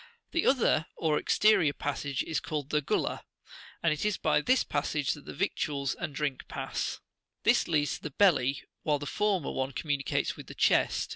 The other or exterior passage is called the "gula/'56 and it is by this passage that the victuals and drink pass : this leads to the belly, while the former one communicates with the chest.